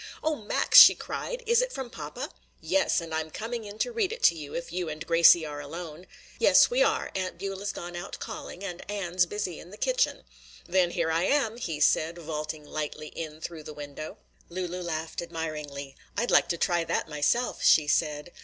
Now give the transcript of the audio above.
"O Max!" she cried, "is it from papa?" "Yes; and I'm coming in to read it to you if you and Gracie are alone." "Yes, we are; Aunt Beulah's gone out calling and Ann's busy in the kitchen." "Then here I am!" he said, vaulting lightly in through the window. Lulu laughed admiringly. "I'd like to try that myself," she said.